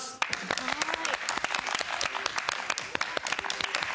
はい。